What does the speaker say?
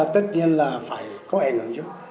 tất nhiên là phải có ảnh hưởng chứ